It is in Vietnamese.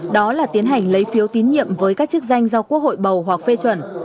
đó là tiến hành lấy phiếu tín nhiệm với các chức danh do quốc hội bầu hoặc phê chuẩn